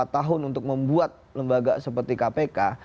empat tahun untuk membuat lembaga seperti kpk